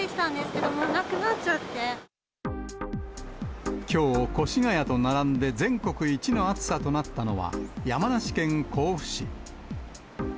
けれきょう、越谷と並んで全国一の暑さとなったのは、山梨県甲府市。